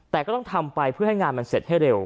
แต่ก็ต้องทำไปเพื่อให้งานมันเสร็จให้เร็ว